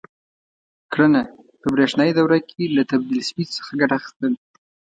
کړنه: په برېښنایي دوره کې له تبدیل سویچ څخه ګټه اخیستل: